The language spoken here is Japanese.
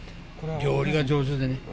料理が上手でね。